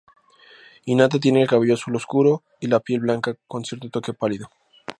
Hinata tiene el cabello azul oscuro y la piel blanca con cierto toque pálido.